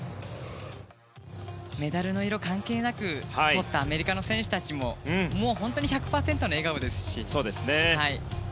メダルの色関係なくとったアメリカの選手たちも本当の１００％の笑顔です。